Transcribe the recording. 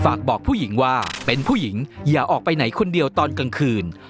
ฝากบอกผู้หญิงว่าเป็นผู้หญิงอย่าออกไปไหนคนเดียวตอนกลางคืน